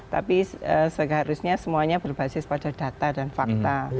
tapi seharusnya semuanya berbasis pada data dan fakta